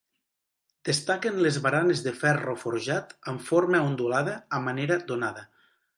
Destaquen les baranes de ferro forjat amb forma ondulada a manera d'onada.